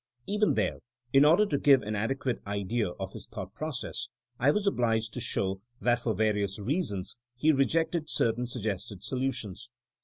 Even there, in order to give any adequate idea of his thought process, I was obliged to show that for various reasons he rejected certain suggested solutions.